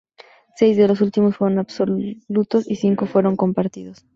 Seis de los títulos fueron absolutos y cinco fueron compartidos.